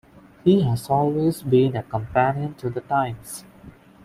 He has always been a companion to the times.